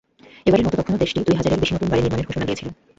এবারের মতো তখনো দেশটি দুই হাজারের বেশি নতুন বাড়ি নির্মাণের ঘোষণা দিয়েছিল।